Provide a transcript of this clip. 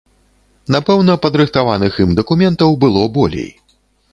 Напэўна, падрыхтаваных ім дакументаў было болей.